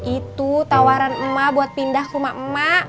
itu tawaran emak buat pindah ke rumah emak emak